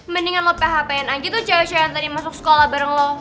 mendingan lo phpin aja tuh cewek cewek yang tadi masuk sekolah bareng lo